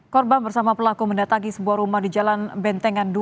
korban bersama pelaku mendatangi sebuah rumah di jalan bentengan dua